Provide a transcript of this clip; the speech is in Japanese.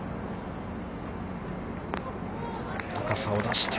高さを出して。